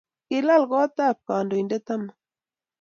kilal kot ab kandoindet amut